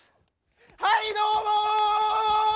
はいどうも！